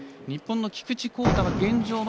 日本の菊池耕太は現状